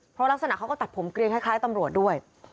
เพราะลักษณะเขาก็ตัดผมเกลียงคล้ายตำรวจด้วย